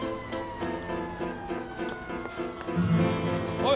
おい！